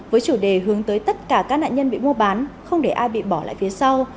với chủ đề hướng tới tất cả các nạn nhân bị mua bán không để ai bị bỏ lại phía sau